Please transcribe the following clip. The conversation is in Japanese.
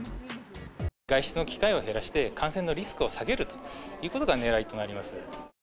外出の機会を減らして、感染のリスクを下げるということがねらいとなります。